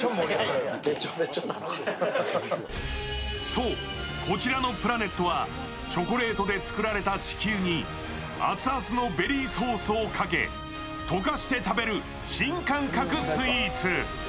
そう、こちらのプラネットはチョコレートで作られた地球に熱々のベリーソースをかけ、とかして食べる新感覚スイーツ。